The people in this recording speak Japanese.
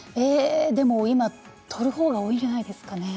今取るほうが多いんじゃないですかね